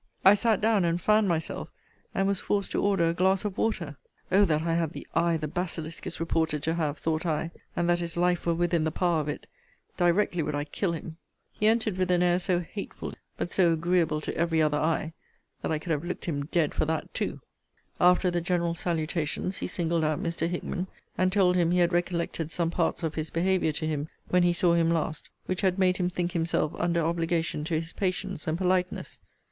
I sat down and fanned myself, and was forced to order a glass of water. Oh! that I had the eye the basilisk is reported to have, thought I, and that his life were within the power of it! directly would I kill him. He entered with an air so hateful to me, but so agreeable to every other eye, that I could have looked him dead for that too. After the general salutations he singled out Mr. Hickman, and told him he had recollected some parts of his behaviour to him, when he saw him last, which had made him think himself under obligation to his patience and politeness.